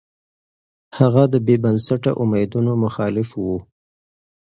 هغه د بې بنسټه اميدونو مخالف و.